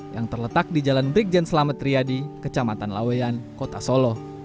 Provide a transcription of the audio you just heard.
yang terletak di jalan brikjen selametriadi kecamatan laweyan kota solo